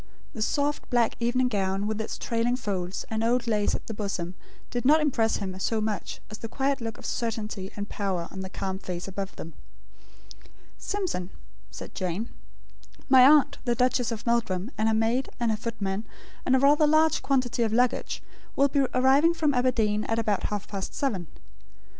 The soft black evening gown, with its trailing folds, and old lace at the bosom, did not impress him so much as the quiet look of certainty and power on the calm face above them. "Simpson," said Jane, "my aunt, the Duchess of Meldrum, and her maid, and her footman, and a rather large quantity of luggage, will be arriving from Aberdeen, at about half past seven.